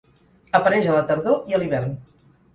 Apareix a la tardor i a l'hivern.